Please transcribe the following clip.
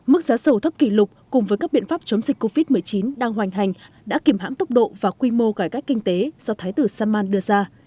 mức giá dầu thấp kỷ lục cùng với các biện pháp chống dịch covid một mươi chín đang hoành hành đã kiểm hãm tốc độ và quy mô cải cách kinh tế do thái tử salman đưa ra